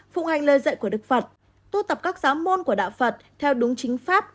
phụ hành lời dạy của đức phật tu tập các giáo môn của đạo phật theo đúng chính pháp